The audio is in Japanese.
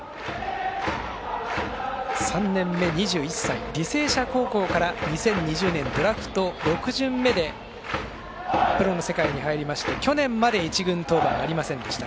３年目、２１歳履正社高校から２０２０年、ドラフト６巡目でプロの世界に入りまして去年まで１軍登板ありませんでした。